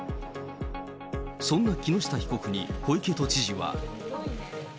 そんな木下被告に小池都知事は。